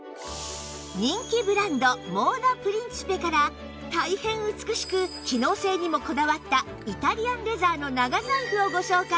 人気ブランドモーダプリンチペから大変美しく機能性にもこだわったイタリアンレザーの長財布をご紹介